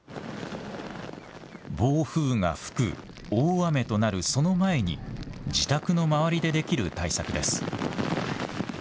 暴風が吹く、大雨となるその前に、自宅の周りでできる対策です。